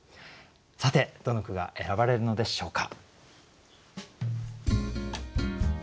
さてどの句が選ばれるのでしょうか。